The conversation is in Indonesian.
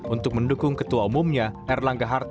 untuk mendukung ketua umumnya erlangga hartarto